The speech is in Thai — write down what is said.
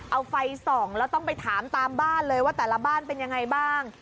เอาไฟส่องแล้วต้องไปถามตามบ้านเลยว่าแต่ละบ้านเป็นยังไงบ้าง